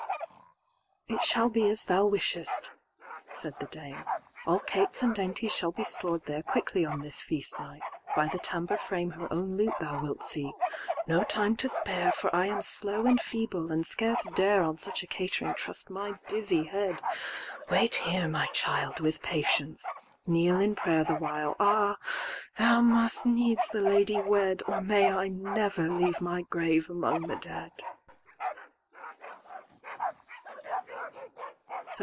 XX."It shall be as thou wishest," said the Dame:"All cates and dainties shall be stored there"Quickly on this feast night: by the tambour frame"Her own lute thou wilt see: no time to spare,"For I am slow and feeble, and scarce dare"On such a catering trust my dizzy head."Wait here, my child, with patience; kneel in prayer"The while: Ah! thou must needs the lady wed,"Or may I never leave my grave among the dead."